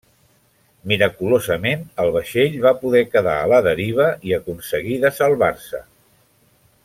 Miraculosament el vaixell va poder quedar a la deriva i aconseguí de salvar-se.